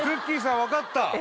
分かった。